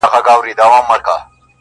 • د هرات لرغونی ولایت یې -